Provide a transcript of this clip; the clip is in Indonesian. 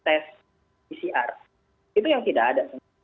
tes pcr itu yang tidak ada